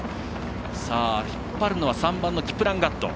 引っ張るのは３番、キプランガット。